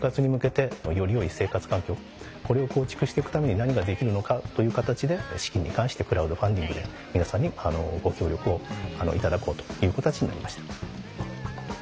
これを構築していくために何ができるのかという形で資金に関してクラウドファンディングで皆さんにご協力をいただこうという形になりました。